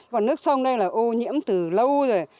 còn nước sông đây là ô nhiễm từ lâu rồi